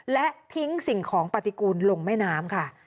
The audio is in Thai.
และทิ้งสิ่งของปฏิกูลลงแม่น้ำค่ะ